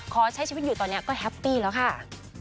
ขอใช้ชีวิตอยู่ตอนนี้ก็แฮปปี้แล้วค่ะ